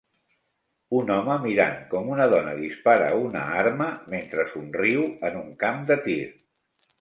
Un home mirant com una dona dispara una arma mentre somriu en un camp de tir.